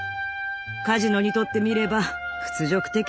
カジノにとってみれば屈辱的でした。